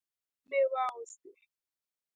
ما جامې واغستې